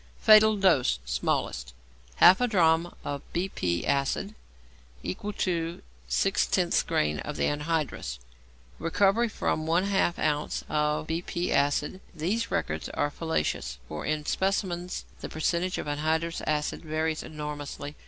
Fatal Dose (Smallest). Half a drachm of the B.P. acid, equal to 0.6 grain of the anhydrous. Recovery from 1/2 ounce of the B.P. acid. These records are fallacious, for in specimens the percentage of anhydrous acid varies enormously.